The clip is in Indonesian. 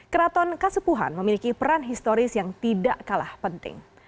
keraton kasepuhan memiliki peran historis yang tidak kalah penting